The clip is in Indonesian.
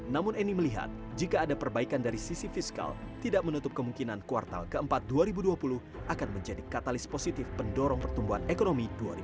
namun eni melihat jika ada perbaikan dari sisi fiskal tidak menutup kemungkinan kuartal keempat dua ribu dua puluh akan menjadi katalis positif pendorong pertumbuhan ekonomi dua ribu dua puluh